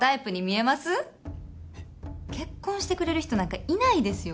えっ？結婚してくれる人なんかいないですよ。